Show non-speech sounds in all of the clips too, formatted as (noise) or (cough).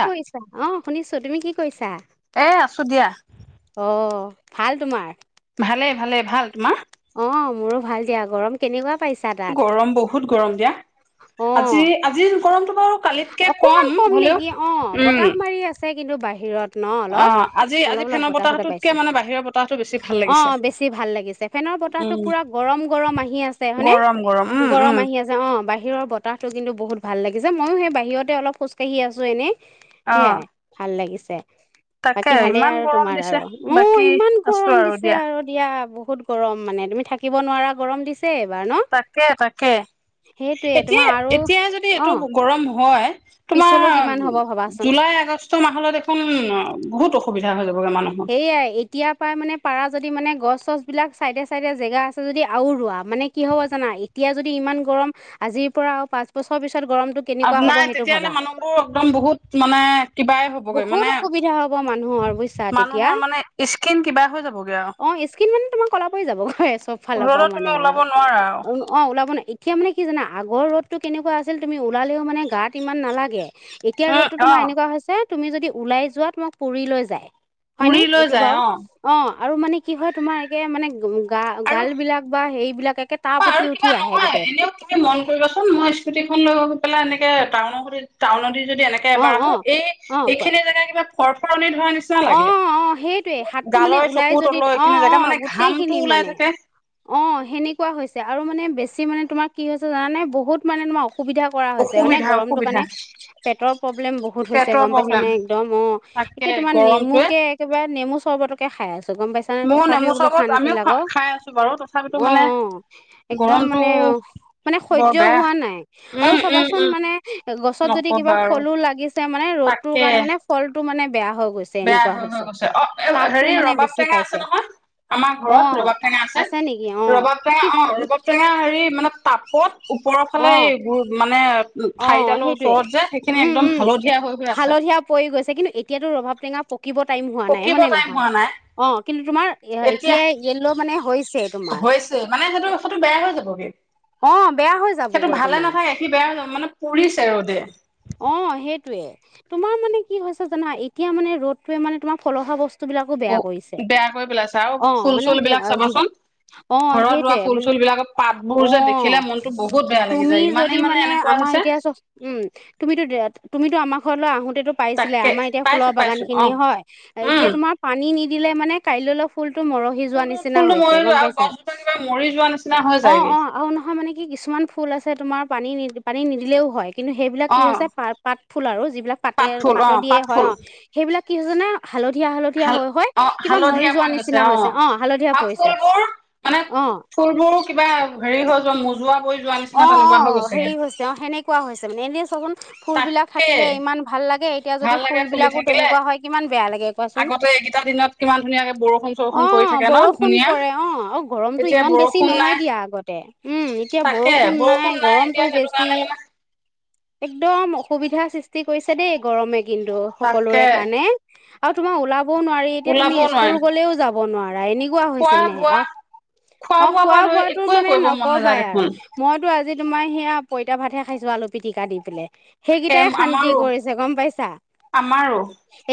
কি কৰিছা? অ- শুনিছোঁ, তুমি কি কৰিছা? এ আছো দিয়া। অ ভাল তোমাৰ? ভালে ভালে, ভাল তোমাৰ? অ মোৰো ভাল দিয়া, গৰম কেনেকুৱা- পাইছা তাত গৰম বহুত- গৰম দিয়া। অ আজি, আজিৰ গৰমটো বাৰু- কালিতকে অকমান কম হ'লেও নেকি অ উম বতাহ মাৰি আছে। আছে কিন্তু বাহিৰত- ন অ অলপ, আজি আজি অলপ-অলপ ফেনৰ বতাহতে বতাহটোতকে পাইছো। মানে বাহিৰৰ বতাহটো বেছি ভাল অ লাগিছে বেছি ভাল লাগিছে, ফেনৰ বতাহটো উম পোৰা গৰম গৰম আহি আছে হয়নে? গৰম উম গৰম উম আহি আছে অ বাহিৰৰ বতাহটো কিন্তু বহুত ভাল লাগিছে। যে ময়ো সেই বাহিৰতে অলপ খোজকাঢ়ি আছো এনেই। অ সেয়াই ভাল লাগিছে। তাকে বাকী ভালেই ইমান আৰু গৰম তোমাৰ? দিছে আৰু, অ', বাকী ইমান আছো গৰম দিছে, আৰু দিয়া বহুত গৰম মানে, তুমি থাকিব নোৱাৰা গৰম দিছ তাকে, তাকে, সেইটোয়ে তোমাৰ এতিয়াই, আৰু এতিয়াই যদি এইটো অ' গৰম হয় তোমাৰ পিছলৈও কিমান হ'ব ভাবাচোন জুলাই আগষ্ট মাহলৈ দেখোন বহুত অসুবিধা হৈ যাবগৈ মানুহৰ সেইয়াই এতিয়া পাই মানে পাৰা যদি মানে গছ-চছবিলাক চাইডে-চাইডে জেগা আছে যদি, আৰু ৰোৱা মানে, কি হ'ব, জানা? এতিয়া যদি ইমান গৰম, আজিৰ পৰা আৰু পাঁচ বছৰ পিছত গৰমটো আ, কেনেকুৱা হ'ব নাই সেইটো তেতিয়ালে ভাবা মানুহবোৰ একদম বহুত, মানে, কিবাই হ'বগৈ, মানে, মান তিয়া। অ স্কিন মানে তোমাৰ কলা পৰি যাবগে চব ফালৰ আৰু পৰা ৰ'দত তুমি মানে আ। ওলাব নোৱাৰা আৰু অন অ ওলাব নোৱাই এতিয়া নে কি, জানা? আগৰ ৰ'দতটো কেনেকুৱা আছিল? তুমি ওলালেও, মানে, গাত ইমান নালাগে। এতিয়া উম ৰ'দতো অ তোমাৰ এনেকুৱা হৈছে তুমি যদি ওলাই যোৱা তোমাক পুৰি লৈ যায়। হয়নে পুৰি লৈ এইটো যায় বাৰু অ'। আৰু মানে কি হয় তোমাৰ একে মানে আৰু গা-গালবিলাক বা হেৰিবিলাক একে তাপ উঠি আৰু উঠি কিবা আহে গোটেই নহয়এনেও তুমি মন কৰিবাচোন মই স্কুটিখন লৈ পেলাই, এনেকে, টাউনৰ (unintelligible) টাউনে দি যদি এনেকে অ এবাৰ অ আহোঁ, এই, অ কোৱা এইখিনি জেগা, কিবা ফৰ-ফৰণি ধৰা নিচিনা লাগে অ', অ' সেইটোৱেই হাতটো মানে গালৈ ওলাই চকুৰ যদি তলৰ এইখিনি অ', জেগা অ' মানে ঘামটো গোটেইখিনি, ওলাই মানে, থাকে অ', সেনেকুৱা হৈছে। আৰু মানে বেছি মানে তোমাৰ কি হৈছে, জানানে? বহুত, মানে, তোমাৰ সুবিধা কৰা হৈছে, মানে অসুবিধা গৰমটো অসুবিধা কাৰণে পেটৰ প্ৰব্লেম বহুত হৈছে পেটৰ গম পাইছা প্ৰব্লেম নে? একদম, অ', তাকে একে গৰমটোৱে নেমুকে একেবাৰে নেমু চৰ্বতকে খাই আছোঁ। গম পাইছা নে? ময়ো তথাপিও নেমু বোলো, চৰবত শান্তি আমিও খা লাগক খাই আছো বাৰু তথাপিতো অ', মানে অ' একদম গৰমটো মানে অ', মানে, বৰ সহ্য বেয়া হোৱা নাই আৰু উম উম চাবাচোন, উম মানে, গছত যদি কিবা নকবা আৰু ফলো লাগিছে, মানে, ৰ'দটোৰ তাকে কাৰণে মানে ফলটো মানে বেয়া হওগ বেয়া হৈ-হৈ গৈছে অ', হেৰি, মানে ৰবাব বেছি টেঙা পাইছে আছে নহয়, আমাৰ অ ঘৰত ৰবাব টেঙা আছে নেকি অ ৰবাব টেঙা, কি অ', ৰবাব টেঙা হেৰি মানে তাপ ক'ত? ওপৰৰ ফালে, অ মানে, অ ঠাৰিডালৰ সেইটোৱে ওচৰত যে, সেইখিনি উম একদম উম হালধীয়া হৈ গৈ আছে। হালধীয়া পৰি গৈছে কিন্তু এতিয়াতো ৰবাব টেঙা পকিব টাইম হোৱা নাই, পকিব হয় নে টাইম নহয়, হোৱা নাই অ'। কিন্তু তোমাৰ এতিয়া এতিয়াই ইয়েল' মানে হৈছে, তোমাৰ হৈছে মানে সেইটো সেইটো বেয়া হৈ যাবগে অ', বেয়া হৈ সেইটো যাবগৈ ভালে তোমাৰ। নাথাকে সি বেয়া হৈ যাব মানে পুৰিছে ৰ'দে। অ', সেইটোয়ে। তোমাৰ মানে কি হৈছে জানা, এতিয়া মানে ৰ'দটোৱে মানে তোমাৰ ফলসা বস্তু বস্তু বিলাকো বেয়া কৰিছে। কৰি পেলাইছে আৰু ‌ অ', ফুল মানে চুল তে বিলাক এ যি চাবাচোন অ', ঘৰত ৰোৱা সেইটোৱেই। ফুল মানে, চুল বিলাকৰ পাতবোৰ যে অ', দেখিলে মনতো বহুত বেয়া লাগি তুমি যায় যদি ইমানেই মানে এনেকুৱা আমাৰ হৈছে এতিয়া চ উম (inaudible) তুমিতো আমাৰ ঘৰলৈ আহো টো পাইছিলে। তাকে আমাৰ এতিয়া পাইছো ফুলৰ বাগান পাইছো খিনি অ হয়। এতিয়া উম তোমাৰ পানী নি দিলে, মানে কাইলৈলৈ ফুল (inaudible) মৰহি যোৱা ফুলটো নিচিনা ফুলটো হৈছে, মৰি গম যোৱা আৰু পাইছা। গছজোপা কিবা মৰি যোৱা নিচিনা হৈ অ', যায়গে অ'। আৰু নহয় মানে কি কিছুমান ফুল আছে তোমাৰ পানী নি পানী নিদিলেও হয়। কিন্তু কি অ হৈছে পাত ফুল আৰু। যিবিলাক পাত পাতেৰ ফুল অ পাতৰ দিয়ে পাত হয়। ফুল অ', সেইবিলাক কিছেন হাল অ হালধীয়া যোৱা পৰি গৈছে নিচিনা অ হৈছে হালধীয়া আৰু পৰিছে ফুলবোৰ মানে অ ফুলবোৰো কিবা হেৰি হৈ যোৱা মোৰ অ', অ' হেৰি হৈছে অ'সেনেকুৱা হৈছে, মানে এনে চাচুন ফুল বিলাক তাকে থাকিলে ইমান ভাল লাগে। এতিয়া যদি ভাল লাগে ফুল ফুলি বিলাকো থাকিলে তেনেকুৱা হয় কিমান বেয়া লাগে কোৱাচোন? আগতে এইকেইটা দিনত কিমান ধুনীয়াকে বৰষুণ চৰষুণ পৰি অ', থাকে ন বৰষুণ ধুনীয়া পৰে অ'। আৰু গৰমতু এতিয়া ইমান বেছি বৰষুণ নহয় নাই দিয়া আগতে। উম এতিয়া তাকে বৰষুণ নাই গৰমটো এতিয়া। সেইটো বেছি কাৰণে মানে একদম অসুবিধা সৃষ্টি কৰিছে দেই গৰমে। কিন্তু সকলোৰে তাকে কাৰণে আৰু তোমাৰ উলা কবৌ নোৱাৰি। এতিয়া ওলাব তুমি নোৱাৰি স্কুল গলেও যা (unintelligible) খোৱা বোৱা খোৱা বোৱা পৰা লৈ বোৱাতো একোৱে মানে কৰিব মন নাযায় নকবাই আৰু দেখোন মইতো আজি তোমাৰ সেয়া পইতা ভাতহে খাইছোৱা আলু পিটিকা দি পেলে। তাকে সেইকেইটাই অশান্তি আমাৰো কৰিছে, গম পাইছা? আমাৰো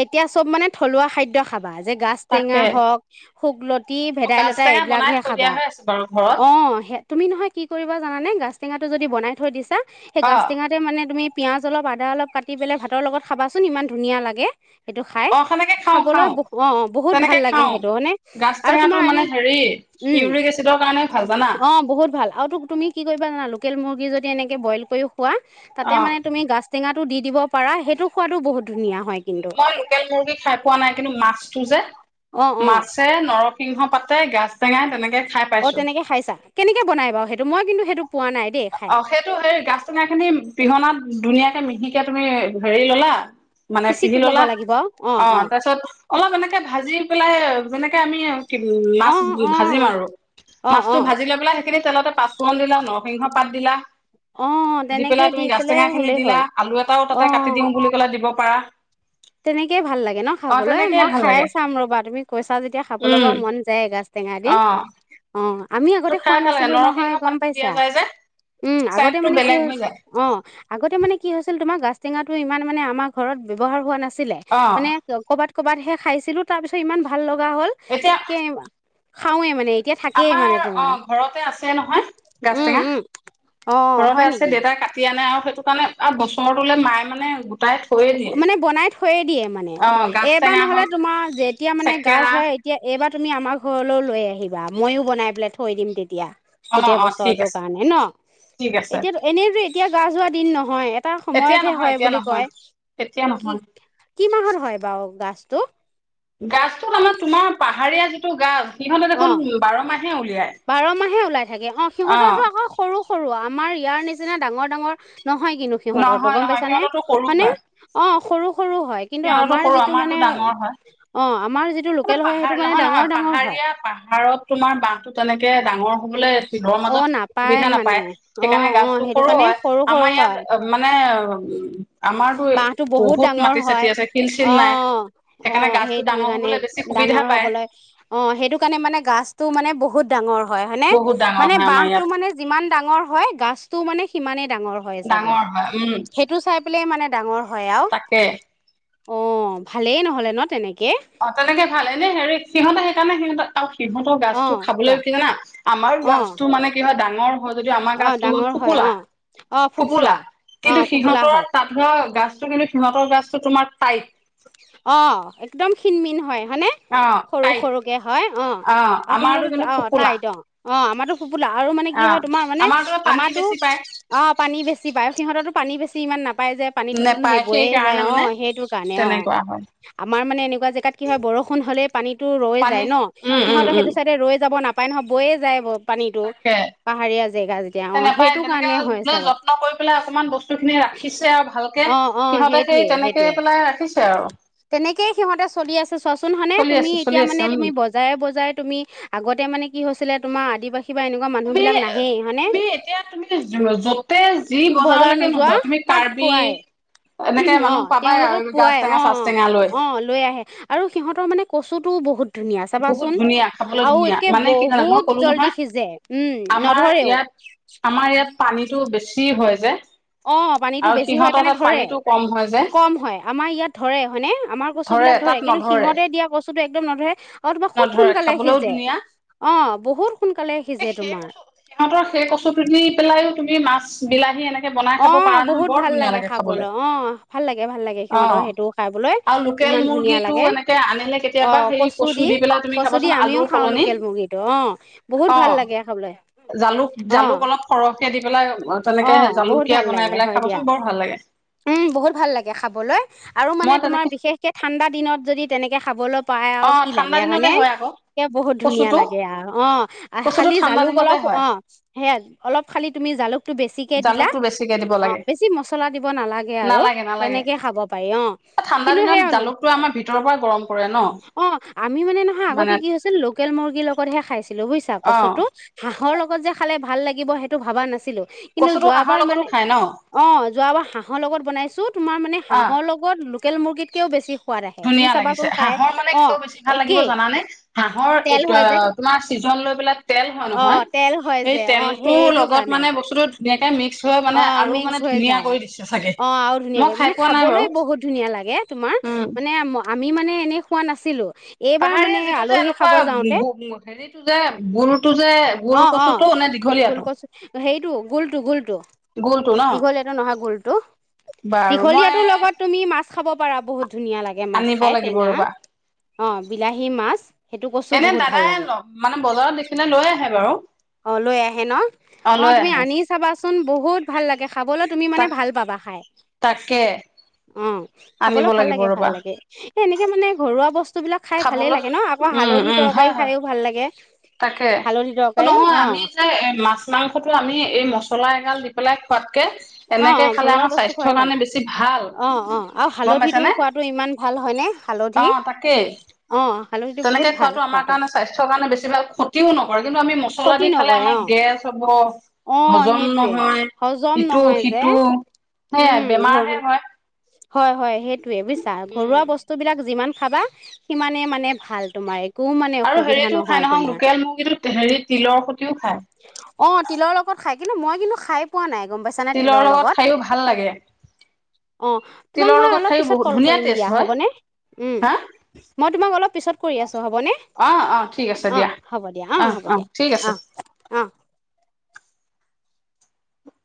এতি এতিয়া চব মানে থলুৱা খাদ্য খাবা। যে গাছ টেঙা তাকে হওক শুগ্লত (inaudible) অ গাজ ভেদাইলতা টেঙা বনাই এইবিলাকহে থৈ দিয়া খাবা। হৈ আছে বাৰু ঘৰত অ', সে তুমি নহয় (unintelligible) জানানে? গাজ টেঙাটো যদি বনাই থৈ দিছা সেই অ গাজ টেঙাতে মানে তুমি পিয়াঁজ অলপ, আদা অলপ কাটি পেলাই ভাতৰ লগত খাবাচোন ইমান ধুনীয়া লাগে। সেইটো খায়। অ সেনেকে খাওঁ খাবলৈ খাওঁ বহু অ', অ'। বহুত ভাল তেনেকে লাগে খাওঁ সেইটো, হয়নে? গাজ আৰু টেঙাটো তোমাৰ মানে এনে হেৰি উম। ইউৰিক এচিডৰ কাৰণে ভাল জানা অ', বহুত ভাল। তুমি কি কৰিবা জানা? লোকেল মুৰ্গী যদি এনেকে বইল কৰি খোৱা, তাতে অ মানে, তুমি গাছ টেঙাত টো দি দিব পাৰা, সেইটো সোৱাদো বহুত ধুনীয়া হয় কিন্তু মই লোকেল মুৰ্গী খাই পোৱা নাই, কিন্তু মাছটো যে। অঁ অঁ মাছে ন নৰসিংহ পাতে, গাছ টেঙাই, তেনেকে খাই অ' পাইছো তেনেকে খাইছা। কেনেকে বনাই বাৰু সেইটো মই কিন্তু সেইটো। পোৱা নাই দেই খাই অ', সেইটো, সেই গাছ -টেঙাখিনি পিহনাত ধুনীয়াকে -মিহিকে তুমি, হেৰি ল'লা। মানে পিচি পিহি ল'ব ল'লা, লাগিব অঁ অঁ অ', তাৰপিছত অলপ এনেকে ভাজি পেলাই যেনেকে আমি মাছ অঁ অঁ ভাজিম অঁ আৰু, অ', মাছটো অ', ভাজি লৈ পেলাই খিনি তলতে পাচ কল দিলা ন পাত দিলা। অ', দি তেনেকে পেলাই তুমি গাজ পেলাই টেঙা খিনি হ'লেই দিলা, হ'ল আলু এটাও তাতে কাটি দিও অ', বুলি ক'লে দিব পাৰা। তেনেকেই ভাল লাগে ন অ খাবলৈ, তেনেকেই মই ভাল খাই লাগে চাম ৰ'বা তুমি কৈছা যেতিয়া খাবলৈ উম বাৰু মন যায়ে গাজ। তেঙাদি, অ অ'। আমি আগতে খোৱা খাই ভাল লাগে নাছিলো নহয় নৰসিংহ গম পাতটো পাইছা। দিয়া যায় যে উম আগতে চেণ্টটো মানে কি বেলেগ হৈ যায় অ', আগতে মানে কি হৈছিল তোমাৰ গা গাছটেঙাটো ইমান মানে আমাৰ ঘৰত ব্যৱহাৰ হোৱা না ছিলে অ মানে কবাত-কবাতহে খাইছিলো তাৰ পিছত ইমান ভাল লগ বা হ'ল এতিয়া কেম খাওঁৱে মানেই আমাৰ, অ', ঘৰতে আছে নহয় গাজ উম, টেঙা, উম, অ', হয় ঘৰতে আছে নেকি? দেউতা কাটি আনে আউ সেইটো কাৰণে বছৰটো মায়ে মানে গোটাই থৈয়ে দিয়ে মানে বনাই থৈয়ে দিয়ে মানে, অ গাজ এইবাৰ টেঙা নহলে হওক তোমাৰ যেতিয়া মানে গাজ থেকেৰা হয় এতিয়া এইবাৰ তুমি আমাৰ ঘৰলৈও লৈ আহিবা ময়ো বনাই পেলাই থৈ দিম তেতিয়া। অ গোটেই অ ঠিক বছৰটোৰ আছে কাৰণে ন? ঠিক আছে এতিয়াতো এনেইজে এতিয়া যোৱা-যোৱা দিন নহয়। এটা এতিয়া সময়তহে নহয় হয় এতিয়া বুলি কয়। নহয় এতিয়া নহয় কিক, কি মাহৰ হয় বাও? গাছটো গাছটোত আমাৰ তোমাৰ পাহাৰীয়া টো গাজ। সিহঁতে দেখোন অ', বাৰ মাহে উলিয়াই বাৰ মাহে ওলাই থাকে। অ', সিহঁতটো আকৌ সৰু সৰু আমাৰ ইয়াৰ নিচিনা ডাঙৰ ডাঙৰ নহয় কন্তু সিহঁতৰ তো নহয় গম নহয় পাইছা নে? সিহঁততো সৰু মানে হয় অ' সৰু সৰু হয়। কিন্তু সিহঁততো আমাৰ সৰু যিটো আমাৰতো মানে, ডাঙৰ হয় অ। আমাৰ যিটো এইটো লোকেল হয়, পাহাৰ সেইটো মানে নহয় নহয় ডাঙৰ ডাঙৰ হয়। পাহাৰীয়া পাহাৰত তোমাৰ বাহটো তেনেকে ডাঙৰ (unintelligible) শিলৰ অ মাজত সুবিধা মানে নাপায় অ সেইকাৰণে অ গাছতো সেইটো সৰু কাৰণে হয়। আমাৰ সৰু ইয়াত হয় মানে এ আমাৰতো বাঁহটো বহুত ডাঙৰ মাটি-চাটি হয় আছে শিল-চিল অ নাই। অ সেইকাৰণে গছতটো সেইটোৱে ডাঙৰ কাৰণে হ'বলৈ বে- ডাঙৰ হবলৈ, অ', সেইটো কাৰণে মানে গাজটো মানে বহুত ডাঙৰ হয়-হয়নে? বহুত ডাঙৰ হয় বাহ আমাৰ টো ইয়াত মানে যিমান ডাঙৰ হয়, গছতটো মানে সিমানে। ডাঙৰ হয় চাগৈ, ডাঙৰ হয় উম সেইটো চাই পেলাই মানে ডাঙৰ হয় আৰু তাকে অ, ভালেই নহলে ন তেনেক। অ তেনেকে ভাল এনে হেৰি সিহঁতেহে। সেইকাৰণে সিহঁতে আৰু। সিহঁতৰ অ গাছটো কোৱা খাবলৈ কি জানা, আমাৰ অ গাছটো মানে কি হয় ডা মৰম অ যদিও আমাৰ অ গাছটো ডাঙৰ হয় ফোপোলা অ ফোপোলা অ কিন্তু ফোপোলা হয় সিহঁতৰ তাপৰ গাছটো কিন্তু সিহতৰ গাছ (unintelligible) স তোমাক তাই অ, একদম খিণমিন হয়। হয়নে অ সৰু টাইট সৰুকে হয় অ অ আমাৰতো সিহঁতৰটো কিন্তু অ ফোপোলা টাইট অ অ আমাৰটো ফোপোলা আৰু মানে কি অ হয় তোমাৰ মানে আমাৰতো পানী আমাৰটো বেছি পায় অ পানী বেছি পায়। সিহঁতৰটো পানী বেছি ইমান নাপ পাই যে পানীটো তোন নেপায় সেই বৈয়ে যায় সেইকাৰণে অ, মানে সেইটো কাৰণে অ তেনেকুৱা হয় আমাৰ মানে কিবা জেগাত কি হয় বৰষুণ হলে পানীটো ৰৈ পানী যায় ন, উম উম সিহঁতৰ উম সেইটো চাইডে ৰৈ যাব নাপ উপায় নহয় বৈয়ে যায় বব তাকে। অ নেপায়, সেইটো তেনেকে কাৰণে হয় জে চাগৈ যত্ন কৰি পেলাই অকমান বস্তু খিনি ৰাখিছে আৰু ভালকে, অ অ সিহঁতে সেইটোৱে সেই তেনেকে সেইটোৱে পেলাই ৰাখিছে আৰু। তেনেকেই সিহঁতে চলি আছে চোৱাচোন হয়নে? চলি তুমি আছে চলি এতিয়া আছে মানে উম তুমি বজাৰে বজাৰে তুমি আগতে মানে কি হয় হৈছিলে তোমাৰ আদিবাসী বা এনেকুৱা মানুহ তুমি বিলাক এ নাহেই হয়নে তুমি এতিয়া তুমি য যতে যি বজাৰ বজাৰলৈকে নোযোৱা তুমি তাত কাৰ্বি পোৱাই এনেকে অ মানুহ পাবাই তেওঁলোকক আৰু গাছ পোৱাই টেঙা অ চাচ অ টেঙা লৈ অ লৈ আহে। আৰু সিহঁতৰ মানে কচুটোও বহুত ধুনীয়া বহুত চাবাচোন ধুনীয়া, খাবলৈ আৰু ধুনীয়া, একে মানে কি যানা মই বহুত ক'লো জল্দি নহয় সিজে উম আমাৰ নধৰেও ইয়াত আমাৰ ইয়াত পানীটো বেছি হয়। যে অ পানীটো আৰু বেছি হয় সিহঁতৰ কাৰণে তাত ধৰে। পানীটো কম হয় যে কম হয় আমাৰ ইয়াত ধৰে, হয়নে আমাৰ কচু বিলাক ধৰে, তাত কিন্তু নধৰে সিহতে দিয়া কচু টো তো একদম নধৰে। আৰু তোমাৰ খুব নধৰে সোনকালে খাবলৈও সিজে ধুনীয়া, অ বহুত সোনকালে সিজে এই সেই তোমাৰ কচু সিহঁতৰ সেই কচুটোদি পেলাও তুমি মাছ, বিলাহী এনেকে বনাই অ খাব পাৰা নহয় বহুত বৰ ভাল ধুনীয়া লাগে খাবলৈ অ ভাল লাগে ভাল লাগে সিহঁতৰ অ সেইটো খাবলৈ আৰু লোকেল ইমান ধুনীয়া মুৰ্গীটো লাগে অ কচুত ই দি পেলাই তুমি খাবাচোন আলুৰ সলনি, মুৰ্গীটো অ বহুত অ, ভাল লাগে খাবলৈ জালুক অ জালুক অলপ সৰহকে দি (unintelligible) অ বহুত জালুকীয়া ভাল বনাই লাগে পেলাই হয় দিয়া খাবাচোন বৰ ভাল লাগে উম বহুত অ অ', বহুত ভাল লাগে হয় দিয়া ও বহুত ভাল লাগে খাবলৈ আৰু মানে মই তোমাৰ তেনেকে বিশেষকে ঠাণ্ডা দিনত যদি তেনেকে খাবলৈ পাই অ আৰু কি ঠাণ্ডা লাগে দিনতে হয়নেে হয় আকৌ এ বহুত ধুনীয়া কচুটো লাগে আৰু অ কচুটো খালি ঠাণ্ডা জালুক দিনতে অলপ হয় অ সেয় অলপ খালি তুমি জালুক বেছিকে দিলা জালুকটো বেছিকে দিব অ', লাগে বেছি মছলা দিব নালাগে আৰু তেনেকে খাব পাৰি অ', ঠাণ্ডা কিন্তু সে দিনত হল জালুকটো আমাৰ ভিতৰৰ পৰা গৰম কৰে ন অ', আমি মানে নহয় আগতে মানে কি হৈছিল লোকেল মুৰ্গীৰ লগতহে খাইছো চোৱা অ পাছতো হাঁহৰ লগত (unintelligible) যে খালে ভাল লাগিব সেইটো ভাবা নাছিলোঁ কিন্তু কচুটো হাঁহৰ যোৱাবাৰ লগতো মানে খাই ন অ', যোৱাবাৰ হাঁহৰ লগত বনাইছো, তোমাৰ মানে অ হাঁহৰ লগত লোকেল মুৰ্গীকৈও বেছি সোৱাদ আহে তুমি ধুনীয়া লাগিছে চাবাচোন খাই হাঁহৰ মানে অ কিয় বেছি ভাল লাগিব একেই জানানে? হাঁহৰ তেল এইটো হয় যে তোমাৰ চিজন লৈ পেলাই তেল হয় অ নহয়, তেল হয় সেই যে অ তেলটোৰ সেইটো লগত কাৰণে মানে বস্তুটো ধুনীয়াকে মিক্স হৈ মানে অ', আৰু মিক্স মানে হৈ ধুনীয়া যায় কৰি দিছে চাগে অ, আৰু ধুনীয়াা মই খাই মানে পোৱা নাই খাবলৈ বাৰু বহুত ধুনীয়া লাগে তোমাৰ উম মানে আমি মানে এনেই খোৱা নাছিলোঁ, পাহাৰীয়া যিটো যে এনেকুৱা হেৰিটো যে বুুৰতটো যে গোল অ', অ', কচুটো নে দীঘলীয়াটো গোলকচ হেইটো গোলটো, গোলটো গোলটো ন দীঘলীয়াটো নহয় গোলটো বাৰু মই দীঘলীয়াটোৰ লগত তুমি মাছ খাব পাৰা বহুত ধুনীয়া লাগে মাছ আনিব খাই লাগিব টেঙা, ৰবা অ', বিলাহী মাছ সেইটো কছো এনে বহুত ভাল দাদাই লাগে। মানে বজাৰত দেখিলে লৈ আহে বাৰু অ, লৈ আহে ন অ', লৈ তুমি আহে আনি চাবাচোন। বহুত ভাল লাগে খাবলৈ তুমি মানে তাক ভাল পাবা খাই, তাকে অ খাবলৈ আনিব ভাল লাগিব লাগে, ভাল ৰবা লাগে, এ এনেকে মানে ঘৰুৱা বস্তু বস্তুবিলাক খাই ভালেই খাবলৈ লাগে ন আকৌ উম হালধি উম তৰকাৰী হয় হয় খায়ো ভাল লাগে, তাকে হালধি তৰকাৰী নহয়, অ', আমি যে এ মাছ মাংসতটো আমি এই মছলা এগাল দি পেলাই খোৱাতকে (unintelligible) অ', অ', খালে ঘৰুৱা আমাৰ বস্তু স্বাস্থ্যৰ খোৱাই ভাল। কাৰণে বেছি ভাল অ', অ', আৰু গম হালধিটো পাইছানে খোৱাতটো ইমান ভাল হয়নে? হালধি অ', তাকেই অ', হালধিটো বহুত তেনেকে ভাল খোৱাটো আমাৰ কাৰণে স্বাস্থ্্যৰ কাৰণে বেছি ভাল ক্ষতিও নকৰে কিন্তু আমি মছলা ক্ষতি দি খালে নকৰে আমাৰ অ', গেছ হ'ব, অ', হজম সেইটোৱে নহয়, হজম ইটো নহয় যে সিটো উম, সেয়াই বেমাৰহে হয়। হয়', হয়', সেইটোৱে বুজিছা উম ঘৰুৱা বস্তু বিলাক যিমান খাবা, সিমানে মানে ভাল তোমাৰ একো মানে আৰু অসুবিধা হেৰিতো খাই নহয়, তোমাৰ লোকেল মুৰ্গীটো হেৰি, তিলৰ সতিও অঁ খায়। তিলৰ লগত খাই কিন্তু মই কিন্তু খাই পোৱা নাই। গম পাইছা নে তিলৰ লগত? খায়ো ভাল লাগে অহ তোমাক তিলৰ মই লগত অলপ খায়ো পিছত বহুত কল ধুনীয়া কৰিম টেষ্ট দিয়া হব হয় নে? উম, হা মই তোমাক অলপ। পিছত কৰি আছো। অ অ ঠিক আছে দিয়া, হ'ব দিয়া অঁ অহ হ'ব অ। দিয়া ঠিক আছে। অঁ অঁ